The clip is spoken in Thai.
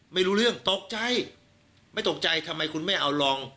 ไม่รู้เรื่องตกใจไม่ตกใจทำไมคุณไม่เอาลอง